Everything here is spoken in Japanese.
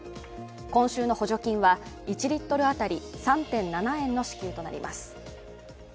今週の補助金は１リットル当たり３．７円の支給となります。